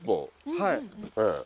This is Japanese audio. はい。